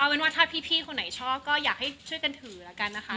เป็นว่าถ้าพี่คนไหนชอบก็อยากให้ช่วยกันถือแล้วกันนะคะ